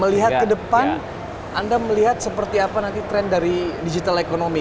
melihat ke depan anda melihat seperti apa nanti tren dari digital economy